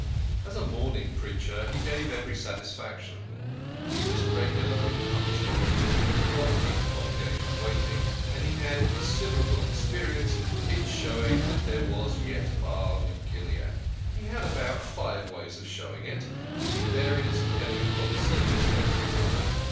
As a mourning preacher he gave every satisfaction : he was regu lar and punctual, and did not keep the congregation waiting, and he had had considerable experience in showing that there was yet balm in Gilead. He had about five ways of showing it the variants de pending upon the circumstances.